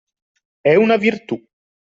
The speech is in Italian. È una virtù.